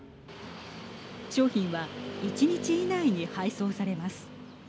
商品は１日以内に配送されます。